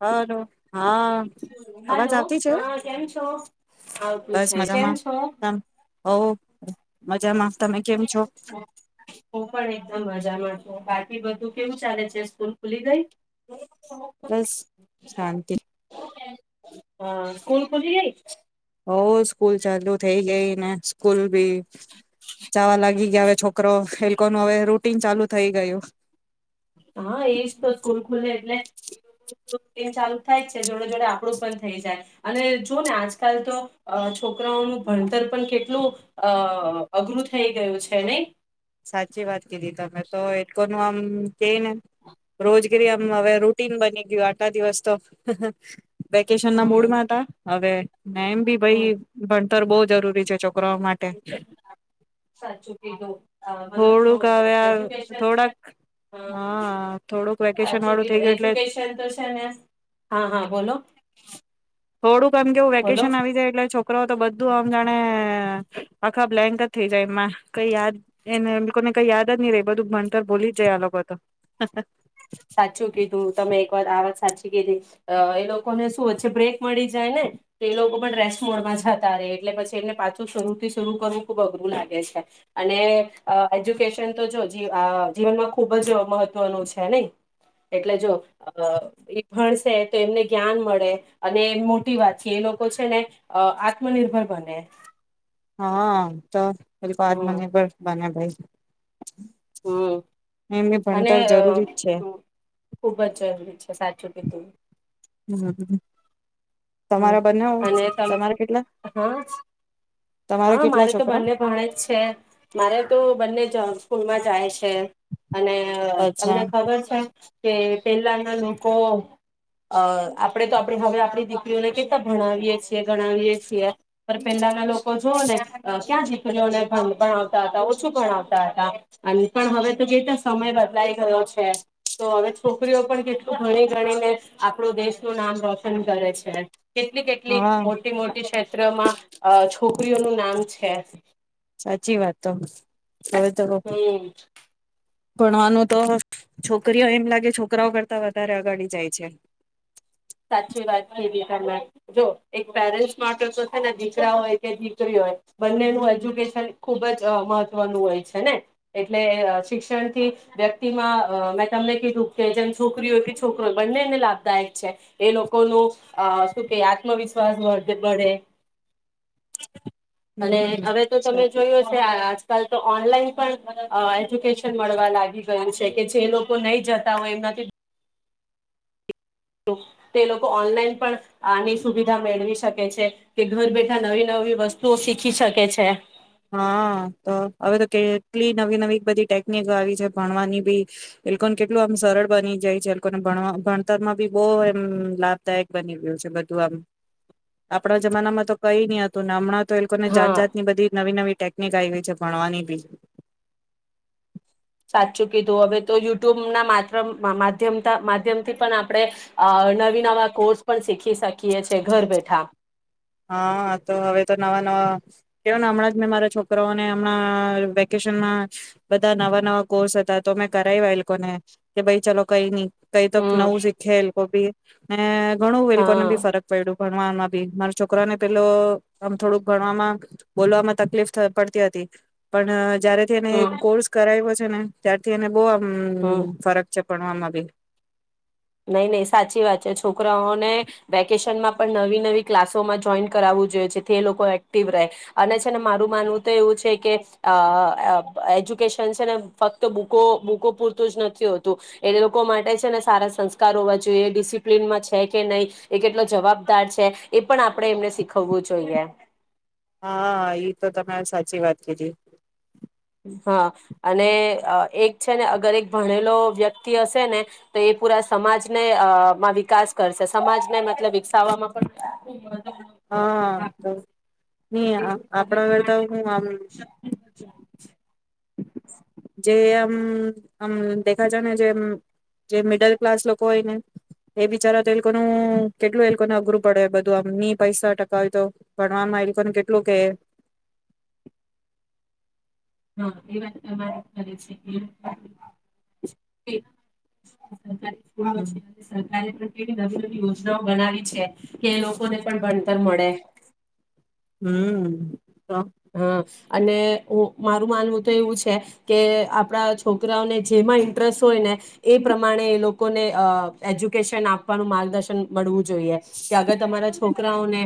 Hello હા અવાજ hello આવતી છે હા કેમ છો આવતી બસ છે કેમ મજામાં છો તમ હો મજામાં તમે કેમ છો હું પણ એકદમ મજા માં તો બાકી બધું કેવું ચાલે છે સ્કૂલ ખુલી ગઈ બસ શાંતિ હા સ્કૂલ ખુલી ગઈ હો સ્કૂલ ચાલુ થઈ ગઈ ને સ્કૂલ બી જાવા લાગી ગયા હવે છોકરો એ લોકો હવે રૂટીન ચાલુ થઈ ગયું હા એજ તો સ્કૂલ ખુલે એટલે [inaudible] એમ ચાલુ થાય જ છે જોડે જોડે આપણું પણ થઈ જાય અને જો ને આજકાલ તો અ છોકરાઓનું ભણતર પણ કેટલું અ અઘરું થઈ ગયું છે નઈ? સાચી વાત કીધી તમે તો એક કો આમ કેઈ ને રોજગરી આમ હવે રૂટીન બની ગયું આટલા દિવસ તો. વેકેશન ના હમ મૂડમાં હતા. હવે ને એમ ભી હમ ભાઈ ભણતર બહુ જરૂરી છે છોકરાઓ માટે. થોડુંક હવે એજુકેશન થોડાક છે અ હા થોડુંક વેકેશન સાચું વાળું થઈ કીધું ગયું એટલે એજ્યુકેશન તો છે ને, હા હા બોલો. થોડું એમ કેવું બોલો વેકેશન આવી જાય એટલે છોક છોકરો તો બધું આમ જાણે આખા બ્લેન્ક જ થઈ જાય એમાં કઈ યાદ એને ને કઈ યાદ જ નહી રે બધું ભણતર ભોલી જ જાય આ લોકો તો. સાચું કીધું તમે એક વાર આ વાત સાચી કીધી અ એ લોકોને શું છે બ્રેક મળી જાય ને તો એ લોકો પણ રેસ્ટ મોડમાં જતા રહેે એટલે પછી એમને પાછું શરૂ થી શરૂ કરવું ખુબ અઘરું લાગે છે અને એજ્યુકેશન તો જો જીવનમાં ખુબ જ મહત્વનું છ ને એટલે જો એ ભણસે તો એમને જ્ઞાન મળે અને એ મોટી વાત છે એ લોકો છે ને આત્મનિર્ભર બને. હા તો. પેલી પાદ મને પર બંને ભાઈ હમ્મ એમની અને ભણતર જરૂરી જ છે ખુબ જ જરૂરી છે, સાચું કીધું. હમ્મ, હમ તમારા બનાવ અને તમ તમારા કેટલા? હા તમારા હા કેટલા મારે તો છોકરા બંને ભણે જ છે. મારે તો બંને [inaudible] સ્કૂલ માં જાય છ છે અને અચ્છા તમને ખબર છે કે પેલાના લોકો અ આપણેે તો આપ હવે આપણી દીકરીઓને કેતા ભણાવીએ છીએ, ગણાવીએ છીએ પણ પહેલાના લોક ને જોઓ ને ક્યાં જીતલીઓને ભંગ પણ આવતા તા ઓછું ભણાવતા તા અને પણ હવે તો કે સમય બદલાઈ ગયો છે તો હવે છોકરીઓ પણ કેટલું ભણી ગણીને આપણું દેશનું નામ રોશન કરે છે. કેટલી કેટલી હા મોટી મોટી ક્ષેત્રમાં અ નું નામ છે. સાચી વાત તમ. હમ્મ. ભણવાનું તો છોકરીઓ એમ લાગે છોકરાઓ કરતા વધારે અગાડી જાય છે. સાચી વાત [unintelligible] [inaudible] જો એક પેરેન્ટ્સ માટે તો છે ને દીકરા હોય કે દીકરી હોય બંનેનું હમ એજ્યુકેશન ખુબ જ અ મહ મહત્તવનું હોય છે ને એટલે શિક્ષણથી વ્યક્તિમાં અ મેં તમને કીધું કે જેમ છોકરી હોય કે છોકરો હોય બંનેને લાભદાયક છે. એ લોકો નું અ શું કે આત્મવિશ્વાસ મળે. અને હમ હવે તો તમે સાચું જોયું હશે આ કાલ તો ઓનલાઈન પણ અ એજ્યુકેશન મળવા લાગી ગયુ છે કે જે લોકો નહીં જતા હોય એનાથી તે લોકો ઓનલાઈન પણ આની સુવિધા મેળવી શકે છે કે ઘર બેઠા નવી નવી વસ્તુઓ શીખી શકે છે. હા તો હવે તો કેટલી નવી નવી બધી ટેકનિક આવી છે ભણવાની બી એ લોકોને કેટલું આમ સરળ બની જાય છે એ લોકોને ભણવા ભણતર માં બી બવ એમ લાભદાયક બની ગયું છે બધું આમ આપણા જમાનામાં તો કઈ ની હતું ને હમણાં તો એ લોકો ને જાત હા જાત ની બધી નવી નવી ટેકનિક આવી છે ભણવાની બી. સાચચું કીધું હવે તો યુટ્યુબ ના માત્રામ માં માધ્યમથી પણ આપણે અ નવી નવા કોર્સ પણ શીખી ખી શકીએ છે ઘર બેઠા. હા તો હવે તો નવા નવા કેવને હમણાં મેં મારા છોકરાઓને હમણાં વેકેશનમાં બધા નવા નવા કોર્સ હતા તો મેં કરાવ એ લોકોને કે ભાઈ ચાલ કઈ નહી કઈ તોક હમ નવું સીખે એલ્કોબી. [unintelligible] ઘણું વેલકોને બ હા ફરક પડ્યો. ભણવામાં બી. છોકરા ને પેલો આમ થોડુંક ભણવામાં બોલવામાં તકલીફ પડતી હતી પણ અ જયારેથી એને હમ કોર્સ કરાવો છે ને ત્યારથી એને બો હમ હમ્મ ફરક છે. ભણવામાં બી. નહી નહી સાચી વાત છે છોકરાઓને વેકેશનમાં પણ નવી નવી ક્લાસોમાં જોઈન કરાવવું જોઈએ છે એ લોકો એક્ટિવ રહે. અને છે ને મારું માનવું તો એવું છે કે અ એજ્યુકેશન છે ને ફક્ત બુકો બુકો પૂરતું જ નથી હોતું એ લોકો માટે છે ને સારા સંસ્ કાર હોવા જોઈએ ડિસિપ્લનમાં છે કે નહી એ કેટલો જવાબદાર છે એ પણ આપણે એમને શીખવવું જોઈએ. હા ઈ તો તમે સાચી વાત કીધી. હા અને એક છે ને અગર એક ભણેલો વ્યક્તિ હશે ને તો એ પૂરા સમાજને અમાં વિકાસ કરશે. સમાજને મતલબ વિકસાવવામાં પણ હા હાં તો. તે પ્રગતિ માટે [unintelligible] જે આમ આમ દેખા છે ને જે મિડલ ક્લાસ લોકો હોય ને એ બિચારા તે લોકોનું કેટલું એ લોકોને અઘરું પડે બધું આમ ની પૈસા ટકા હોય તો ભણવામાં એ લોકોને કેટલું કે હા એ વાત વાત કરે છે હમ [unintelligible] [unintelligible] સરકારે કેવી નવી નવી યોજનાઓ બનાવી છે. કે એ લોકોને પણ ભણતર મળે. હમ્મ. હ અને ઈ મારું માનવું તો એવું છે કે, આપણા છોકરાઓને જેમાં ઇન્ટરેસ્ટ હોય ને એ પ્રમાણે એ લોકોને અ એજ્યુકેશન આપવાનું, માર્ગદર્શન મળવું જોઈએ કે આગર તમારા છોક રાઓને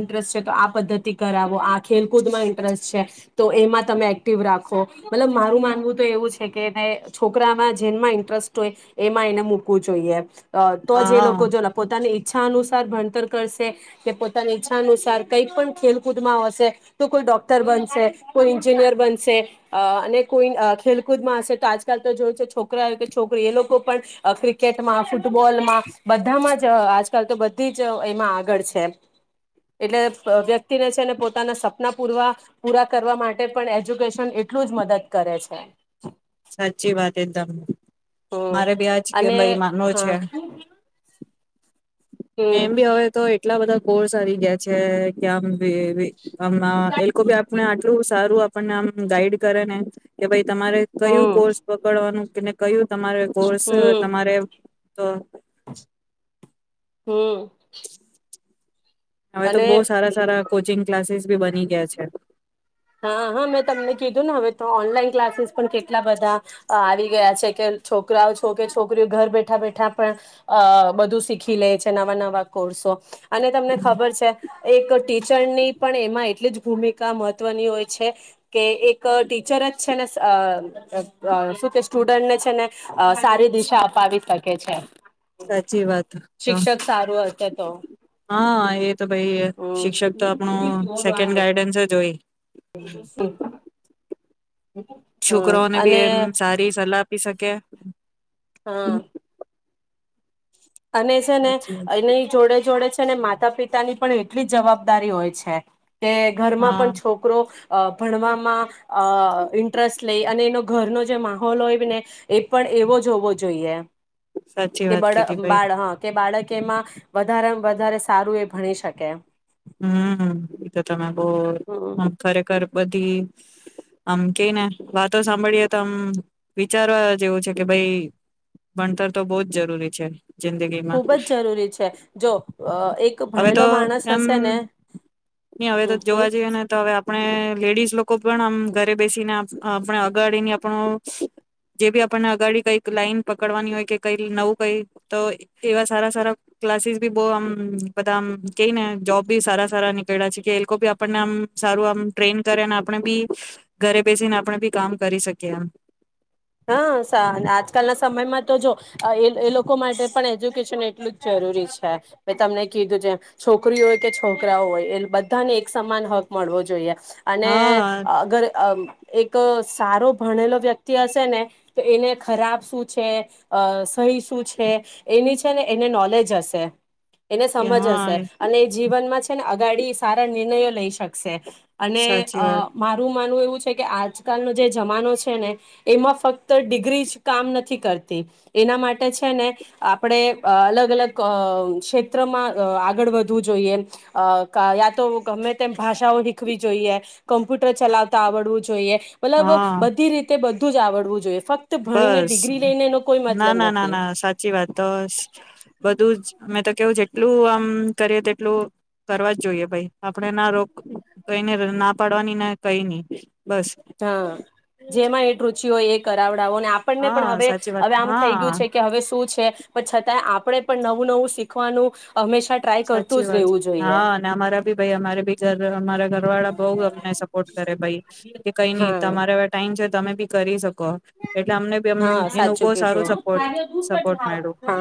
ઇન્ટરેસ્ટ છે, તો આ પદ્ધતિ કરાવ વ આ ખેલકૂદ માં ઇન્ટરેસ્ટ છે. તો એમાં તમે એક્ટિવ રાખો. મતલબ મારું માનવું તો એવું છે કે, છોકરામાં જેનમાં ઇન્ટરેસ્ટ હોય એમાં એને મૂકવું જોઈએ. અ તો જે એ હા લોકો જો પોતાની ઈચ્છા અનુસાર ભણતર કરશે કે પોતાની ઈચ્છા અનુસાર કઈ પણ ખેલકૂદ મા અ શે તો કોઈ ડોક્ટર બનશે, કોઈ એન્જિનિયર બનશે, અ અને કોઈ ખેલકૂદમાં હશે તો આજકાલ તો જોય છોકરા કે છોકરી એ લોકો પણ ક્રિકેટમાં, ફૂટબોલમાં, બધામાં જ આજકાલ તો બધી જ એમાં આગળ છે. એટલે વ્યક્તિનેજ છે ને પોતાના સપના પૂરવા પૂરા કરવા માટે પણ એજ્યુકેશન એટલું જ મદદ કરે છે. સાચી વાત એકદમ હમ મારે બી આજ કે ભાઈ અને માનો છે. હા એમ હમ બી હવે તો એટલા બધા કોર્સ આવી ગયા છે કે આમ આમ એ લોકો ભી આપને આટલું સારું મ ગાઈડ કરેને કે ભાઈ તમારે કયું હમ કોર્સ પકડવાનું. તને કયુ તમારે કોર્સ હમ તમારે તો હમ્મ. હવે તો બહુ સારા સારા કોચિંગ. ક્લાસીસ બી બની ગયા છે. હા હા મેં તમને કીધું ને હવે તો ઓનલાઈન ક્લાસીસ પણ કેટલા બધા આવી ગયા છે કે છોકરાઓ છો કે છોકરીઓ ઘર બેઠા બેઠા પણ અ બધું શીખી લે છે નવા નવા કોર્સો. અને તમને ખબર છે? એક ટીચરની પણ એમાં એટલી જ ભૂમિકા મત મહવની હોય છે કે એક ટીચર જ છે ને શું કે સ્ટુડન્ટને છે ને સારી દિશા અપાવી શકે છે. સાચી વાત તો શિક્ષક સારું હશે તો હા એ તો ભાઈ હમ શિક્ષક તો આપણું ગાઈડન્સ હોય. [inaudible] હમ છોકરાઓને બી અને એમ સારી સલાહ આપી શકે. હા અને છે ને સાચી વાત એને જોડે જોડે અને માતા પિતા ની પણ એટલી જવાબદારી હોય છે. કે ઘરમાં હા પણ છોકરો અ ભણવામાં અ ઇન્ટરેસ્ટ લઈ અને એનો ઘરનો જે માહોલ હોય ને એ પણ એવો જો હોવો જોઈએ. સાચી કે વાત કીધી. બળ ભાઈ બાળ હા કે બાળક કેમાં વધારેમાં વધારે સારું એ ભણી શકે. હમ્મ તો તમે હમ બમ ખરેખર બધી આમ કેઈ ને વાતો સાંભળીએ તો આમ વિચારવા જેવું છે કે ભાઈ ભણતર તો બહુ જ જરૂરી છે. જિંદગીમાં ખૂબ જ જરૂરી છે જો એક હવે ભણેલો તો માણસ એમ હશે ને હવે હમ તો હમ જોવા જઈએ ને તો હવે આપણે લેડીઝ લોકો પણ આમ ઘરે બેસીને આપણે અગાડીને આપણો જે બી આપણને અગાડી કઈક લાઈન પકડવાની હોય કે કઈ નવું કઈ તો એવા સારા સારા ક્લાસીસ બી બહ આમ બધા આમ કઈ ને જોબ બી સારા સારા નિકયડા છે, કે એ લોકો બી આપણને આમ સારું આમ ટ્રેઈન કરેને આપણે બી ઘરે બેસીને આપણે બી કામ કરી શકીએ એમ હા સા આજકાલના સમયમાં તો જો એ એ લોકો માટે પણ એજ્યુકેશન એટલું જ જરૂરી છે. મે તમને કીધું તેમ છોકરી હોય કે છોકરાઓ હોય એ બધાને એક સમાન હક મળવો જોઈએ. અને હા અગર અ એક તો સારો ભણેલો વ્યક્તિ હસ તો એને ખરાબ શું છે અ સહી શું છે, એની છે ને એને નોલેજ અસે. એને સમજ હશે હા અને એ જીવનમાં છે ને અગાડી સારા નિર્ણયો લઈ શકશે. અને સાચી અ વાત મારું માનવુ એવું કે આજકાલનો જે જમાનો છે ને એમાં ફક્ત ડિગ્રી જ કામ નથી કરતી એના માટે છે ને આપણે અ અલગ અલગ અ ક્ષેત્રમાં આગળ વધવું જોઈએ યા તો ગમે તેમ ભાષાઓ શીખવી જોઈએ કમ્પ્યુટર ચલાવતા આવડવું જોઈએ મતલબ હા બધી રીતે બધ બધું જ આવડવું જોઈએ બસ લઈને એનો કોઈ ના મતલબ ના ના નથી ના સાચી વાત તો બધું જ મે તો કેવ જેટલું આમ કરીએ તેટલું કરવા જ જોઈએ ભાઈ આપણે ના રોગ કઈને ના પાડવાની ને કઈ ની હા જેમાં એટ રુચિ હોય એ કરાવડ આપણને હા પણ હવે સાચી વાત હવે આમ થઈ ગયું હા છે કે હવે શું છે પણ છતાંય આપણે પણ નવું નવું શીખવાનું હંમેશા ટ્રાય કરતું સાચી જ વાત રહેવું જોઈએ હા ને અમારા ભી ભાઈ અમારે ભી ઘર ઘર અમારા ઘરવાળા બઉ અમને સપોર્ટ કરે ભાઈ કે કઈ નહી હા તમારે હવે ટાઈમ છે તમે બી કરી શકો. એટલે અમને બી હા એનું સાચું બહુ કેવ છો સારું સપોર્ટ સપોર્ટ મળ્યું હા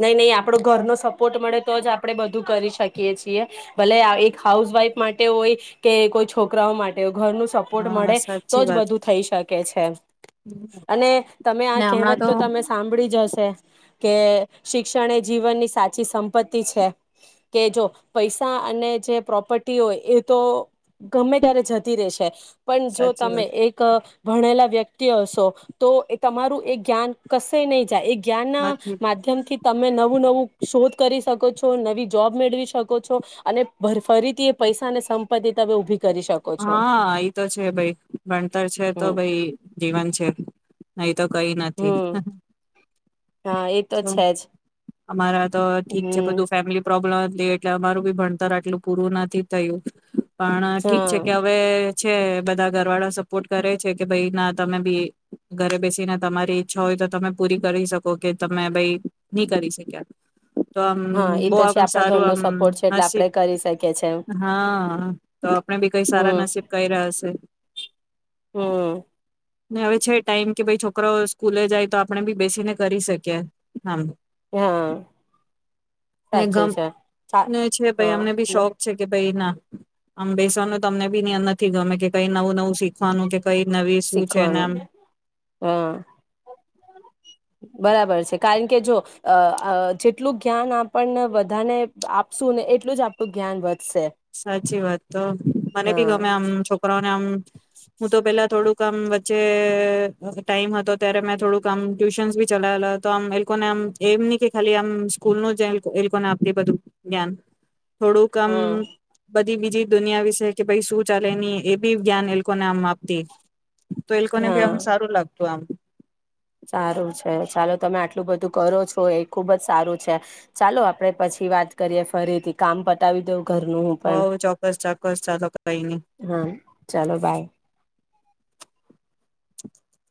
નહી નહી આપડો ઘર નો સપોર્ટ મળે તો જ આપણે બધું કરી શકીએ છીએ ભલે એક હાઉસવાઈફ માટે હોય કે કોઈ છોકરાઓ માટે હોય. ઘર નો સપોર્ટ હા મળે સાચી તો જ વાત બધું થઈ શકે છે. અને તમે આ ને હમણાં કહેવત તો તમે સાંભળી જ હશે કે શિક્ષણ એ જીવનની સાચી સંપત્તિ છે કે જો પૈસા અને જે પ્રોપર્ટી હોય એ તો ગમે ત્યારે જતી રહેશે. પણ જો સાચી તમે વાત એક ભણેલા વ્યક્તિ વ્યક્તિ હશો તો એ તમારું એ જ્ઞાન કશે નય જાય. જ્ઞાન ના નથી માધ્યમ થી તમે નવું નવું શોધ કરી શકો છો નવી જોબ મેળવી શકો છો અને ફરીથી એ પૈસા અને સંપત્તિ તમે ઉભી હા ઈ તો છે ભાઈ ભણતર છે તો હમ ભાઈ જીવન છે. નય તો કઈ નથી. હમ હા એ તો છે, જ અમારા તો ઠીક છે, બ હમ તું ફેમિલી પ્રોબ્લેમ એટલે અમારું બી ભણતર આટલું પૂરું નથી થયું. પણ ઠીક છે, હા કે હવે છે, બધા ઘર વાળા સપોર્ટ કરે છે, કે ભાઈ ના તમે બી ઘરે બેસીને તમારી ઈચ્છા હોય તો તમે પૂરી કરી શકો કે તમે ભાઈ નહી કરી શક્યા. તો આમ હા એ તો બહ આમ છે આપડા ઘરનો સારું સપોર્ટ છે એટલે આમસીબ આપડે કરી શકીએ છે હા તો આપડ કઈ સારા નસીબ કહી રહ્યા. હશે. હમ્મ ને હવે છે, ટાઈમ કે ભાઈ છોકરા સ્કૂલે જાય તો, આપણે બી બેસીને કરી શકીએ. હા ને સાચું ગમ છે સા છે, ભાઈ હા અમને ભી લો શોખ છે, કે ભાઈ ના. આમ બેસવાનું તમને બી ની અર નથી ગમે કે કઈ નવું નવું શીખવાનું કે કઈ નવી શું છે, શીખવાનું એનેમ હા બરાબર છે. કારણ કે જો જેટલું જ્ઞાન આપણને બધાને આપશું ને એટલું જ આપણું જ્ઞાન વધ સાચી વાત તો મને બી હા ગમે આમ છોકરાઓને આમ હું તો પેલા થોડુંક મ વચ્ચે ટાઈમ હતો ત્યારે મેં થોડુંક આમ ટ્યુશનસ ભી ચલાવેલા હતો, આમ એ લોકોને આમ એમ નહ કે ખાલી આમ સ્કૂલ ન જ એ લોકોને આપ બધું જ્ઞાન થોડુંકમ હમ બધી બીજી દુનિયા વિશે કે ભાઈ, શું ચાલે ની એ બી જ્ઞાન એ લોકોને આમ આપતી. તો એ લોકોને ભી હા આમ સારું લાગ તો આમ સારું છે, ચાલો તમે આટલું બધું કરો છો એ ખુબ જ સારું છે, ચાલો આપડે પછી વાત કરીએ ફરીથી કામ પતાવી દઉ ઘરનું હું પણ હવ ચોક્કસ ચોક્કસ ચાલો કઈ ની હા ચાલો બાય